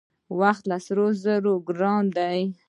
وخت له سرو زرو ګران دی .